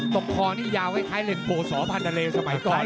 คอนี่ยาวคล้ายเลนโกสอพันธเลสมัยก่อน